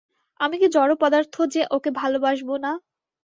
আমি কি জড় পদার্থ যে, ওকে ভালোবাসব না।